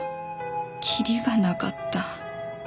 きりがなかった。